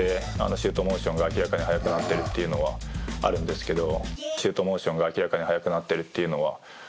シュートモーションが明らかに速くなっているっていうのはあるんですけど。